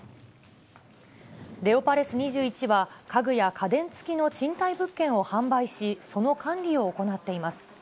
レオパレス２１は、家具や家電付きの賃貸物件を販売し、その管理を行っています。